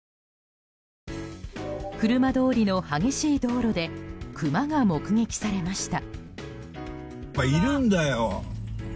車通りの激しい道路でクマが目撃されました。